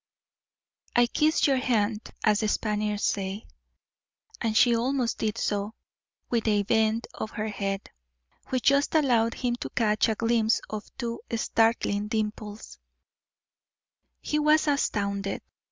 "I kiss your hand, as the Spaniards say." And she almost did so, with a bend of her head, which just allowed him to catch a glimpse of two startling dimples. He was astounded.